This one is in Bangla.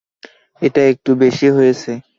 এটা একটু বেশী হয়েছে।